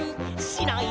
「しない！」